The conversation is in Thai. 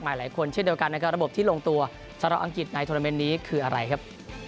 มาหลายคนเช่นเดียวกันแล้วระบบที่โดนตัวสำหรับอังกฤษในธุรกิจนี้คืออะไรครับ